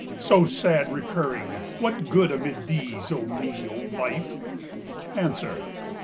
so sad, recurring What good amid these, O me, O life? Answer.